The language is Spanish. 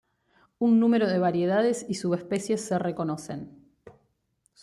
Un número de variedades y subespecies se reconocen.